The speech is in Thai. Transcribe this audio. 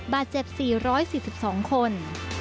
บาดเจ็บ๔๔๒คน